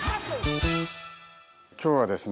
今日はですね